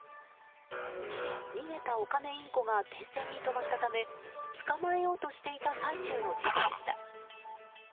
逃げたオカメインコが電線に止まったため捕まえようとしていた最中の事故でした。